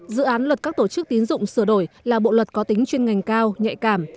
dự án luật các tổ chức tín dụng sửa đổi là bộ luật có tính chuyên ngành cao nhạy cảm